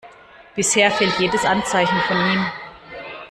Bisher fehlt jedes Anzeichen von ihm.